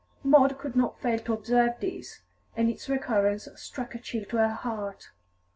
Maud could not fail to observe this, and its recurrence struck a chill to her heart.